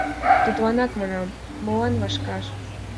Тудланак, манам, молан вашкаш.